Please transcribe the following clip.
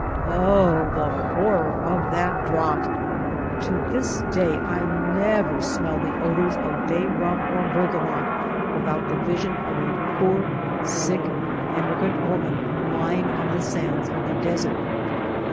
Oh, the horror of that draught! To this day I never smell the odors of bay rum or berga mont without the vision of a poor, sick emigrant woman lying on the sands of the desert.